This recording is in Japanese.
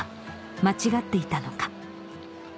間違っていたのか？